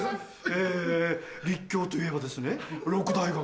え立教といえばですね六大学。